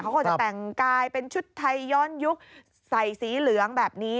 เขาก็จะแต่งกายเป็นชุดไทยย้อนยุคใส่สีเหลืองแบบนี้